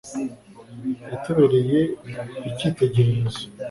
yatubereye icyitegererezo